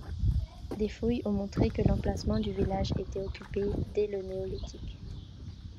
Des fouilles ont montré que l'emplacement du village était occupé dès le néolithique.